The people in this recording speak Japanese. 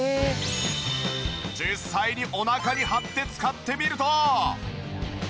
実際にお腹に貼って使ってみると。